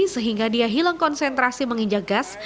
sehingga dia hilang konsentrasi menginjak gas